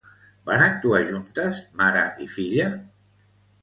Van actuar juntes, mare i filla?